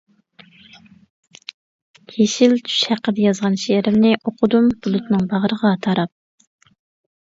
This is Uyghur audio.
يېشىل چۈش ھەققىدە يازغان شېئىرىمنى، ئوقۇدۇم بۇلۇتنىڭ باغرىغا تاراپ.